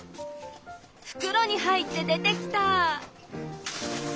ふくろに入って出てきた！